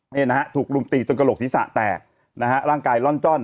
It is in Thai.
นี่นะฮะถูกรุมตีจนกระโหลกศีรษะแตกนะฮะร่างกายร่อนจ้อน